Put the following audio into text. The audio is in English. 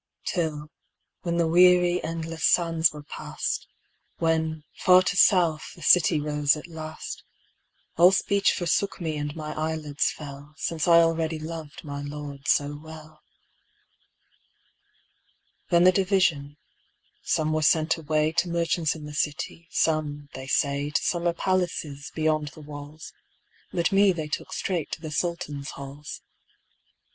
Till, when the weary endless sands were passed, When, far to south, the city rose at last, All speech forsook me and my eyelids fell, Since I already loved my Lord so well. Then the division : some were sent away To merchants in the city; some, they say, To summer palaces, beyond the walls. But me they took straight to the Sultan's halls.